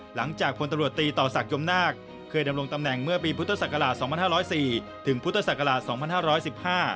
หลังจากพลตำรวจตีต่อศักยมนาคเคยดำรงตำแหน่งเมื่อปีพุทธศักราช๒๕๐๔๒๕๑๕